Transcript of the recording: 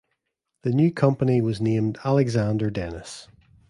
The new company was named Alexander Dennis.